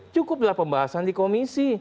cukuplah pembahasan di komisi